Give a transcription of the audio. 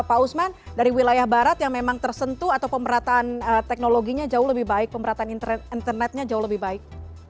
pak usman dari wilayah barat yang memang tersentuh atau pemerataan teknologinya jauh lebih baik pemerataan internetnya jauh lebih baik